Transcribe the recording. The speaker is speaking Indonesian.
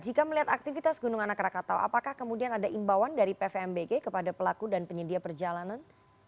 jika melihat aktivitas gunung anak rakatau apakah kemudian ada imbauan dari pvmbg kepada pelaku dan penyedia perjalanan